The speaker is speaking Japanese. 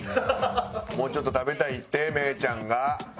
もうちょっと食べたいって芽郁ちゃんが。